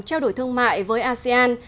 trao đổi thương mại với asean